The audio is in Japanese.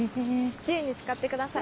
自由に使ってください。